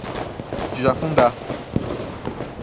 Jacundá